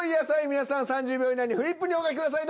皆さん３０秒以内にフリップにお書きください